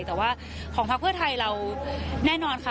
แต่ว่าของพักเพื่อไทยเราแน่นอนค่ะ